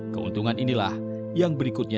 keuntungan inilah yang berikutnya